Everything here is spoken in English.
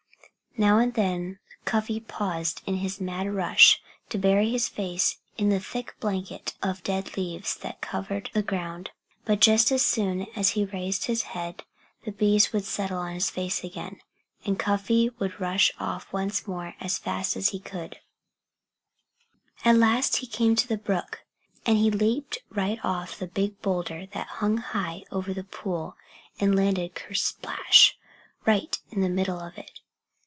Now and then Cuffy paused in his mad rush, to bury his face in the thick blanket of dead leaves that covered the ground. But just as soon as he raised his head the bees would settle on his face again. And Cuffy would rush off once more as fast as he could go. At last he came to the brook. And he leaped right off the big boulder that hung high over the pool and landed ker splash! right in the middle of it.